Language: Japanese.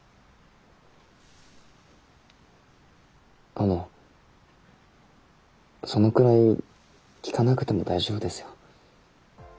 あのそのくらい聞かなくても大丈夫ですよ。